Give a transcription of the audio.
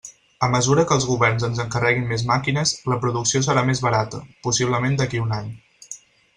A mesura que els governs ens encarreguin més màquines, la producció serà més barata, possiblement d'aquí a un any.